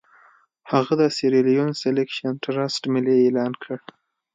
هغه د سیریلیون سیلکشن ټرست ملي اعلان کړ.